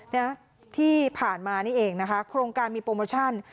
นะที่ผ่านมานี่เองนะคะโครงการมีโปรโมชั่น